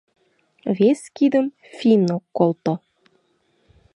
Вес кидым финн ок колто.